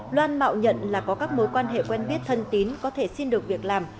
loan mạo nhận là có các mối quan hệ quen biết thân tín có thể xin được việc làm